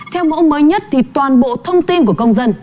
theo mẫu mới nhất thì toàn bộ thông tin của công dân